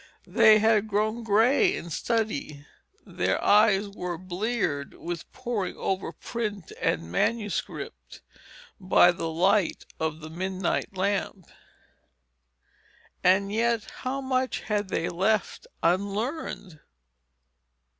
They had grown gray in study; their eyes were bleared with poring over print and manuscript by the light of the midnight lamp. And yet, how much had they left unlearned!